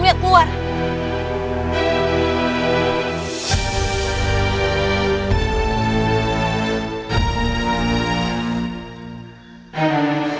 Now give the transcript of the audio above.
berisik banget sihmu